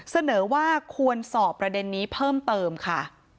เสนอว่าควรสอบประเด็นนี้เพิ่มเติมค่ะ